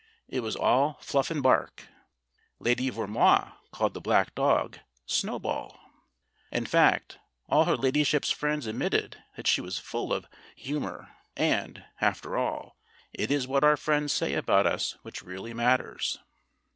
It was all fluff and bark. Lady Vermoise called the black dog "Snowball." In fact, all her ladyship's friends admitted that she was full of hu mor; and, after all, it is what our friends say about us which really matters.